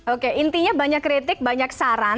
oke intinya banyak kritik banyak saran